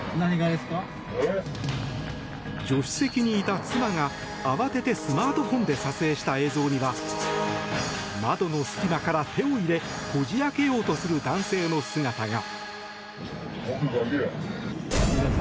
助手席にいた妻が慌ててスマートフォンで撮影した映像には窓の隙間から手を入れこじ開けようとする男性の姿が。